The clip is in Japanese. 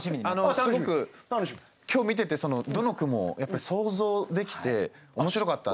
すごく今日見ててどの句もやっぱり想像できて面白かったんで。